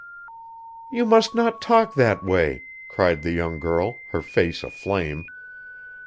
"You must not talk that way," cried the young girl, her face aflame.